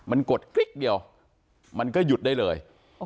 มันกดกริ๊กเดียวมันก็หยุดได้เลย